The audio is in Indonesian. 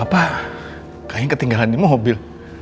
kayaknya ketinggalan imu mobil